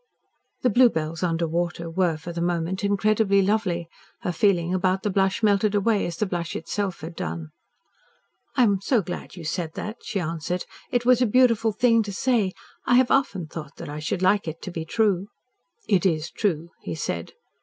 The bluebells under water were for the moment incredibly lovely. Her feeling about the blush melted away as the blush itself had done. "I am glad you said that!" she answered. "It was a beautiful thing to say. I have often thought that I should like it to be true." "It is true," he said.